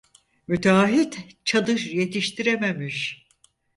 Müteahhit çadır yetiştirememiş.